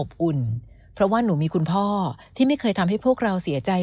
อุ่นเพราะว่าหนูมีคุณพ่อที่ไม่เคยทำให้พวกเราเสียใจ